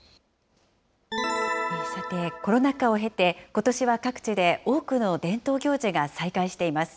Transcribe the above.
さて、コロナ禍を経て、ことしは各地で多くの伝統行事が再開しています。